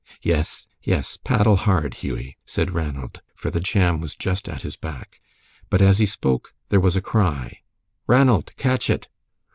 "Yes, yes, paddle hard, Hughie," said Ranald, for the jam was just at his back. But as he spoke, there was a cry, "Ranald, catch it!"